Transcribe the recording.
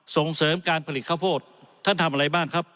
ส่งเสริมการผลิตข้าวโพดท่านทำอะไรบ้างครับ